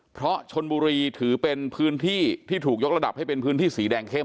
เพราะชนบุรีถือเป็นพื้นที่ที่ถูกยกระดับให้เป็นพื้นที่สีแดงเข้ม